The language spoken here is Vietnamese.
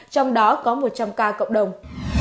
trong đó có một trăm linh ca cộng đồng